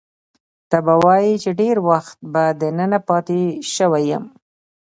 ته به وایې چې ډېر وخت به دننه پاتې شوی یم.